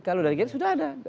kalau dari kita sudah ada